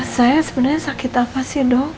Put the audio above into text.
saya sebenarnya sakit apa sih dok